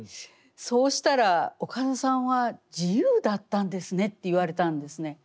そうしたら「岡田さんは自由だったんですね」って言われたんですね。